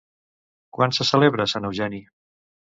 Quan se celebra Sant Eugeni?